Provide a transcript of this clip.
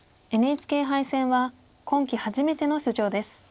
ＮＨＫ杯戦は今期初めての出場です。